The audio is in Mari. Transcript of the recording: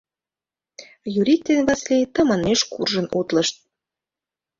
Юрик ден Васлий тыманмеш куржын утлышт.